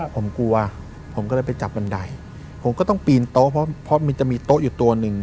ผมกลัวผมก็เลยไปจับบันไดผมก็ต้องปีนโต๊ะเพราะมันจะมีโต๊ะอยู่ตัวหนึ่ง